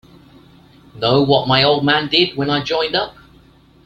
Know what my old man did when I joined up?